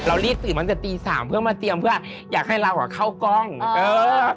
รีบตื่นมาตั้งแต่ตีสามเพื่อมาเตรียมเพื่ออยากให้เราอ่ะเข้ากล้องเออ